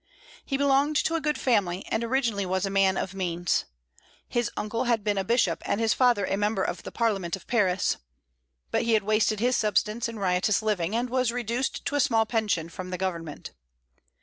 He belonged to a good family, and originally was a man of means. His uncle had been a bishop and his father a member of the Parliament of Paris. But he had wasted his substance in riotous living, and was reduced to a small pension from the Government.